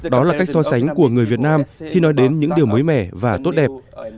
đó là cách so sánh của người việt nam khi nói đến những điều mới mẻ và tốt đẹp